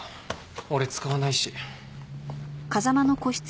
俺使わないし。